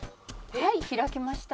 はい開きました。